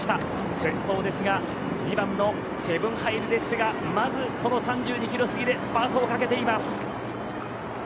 先頭ですが２番のヘヴン・ハイル・デッセがまずこの３２キロ過ぎでスパートをかけています。